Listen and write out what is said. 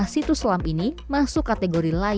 lima puluh lima situs selam ini masuk kategori layar